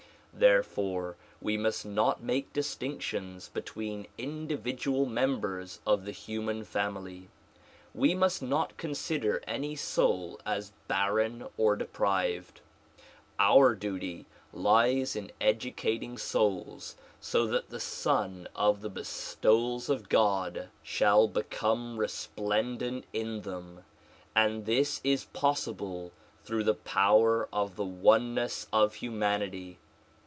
Therefoi'e we must not make distinctions between individual members of the human family. We must not consider any soul as barren or deprived. Our duty lies in educating souls so that the Sun of the bestowals of God shall become resplendent DISCOURSES DELIVERED IN NEW YORK 13 in them, and this is possible through the power of the oneness of humanity.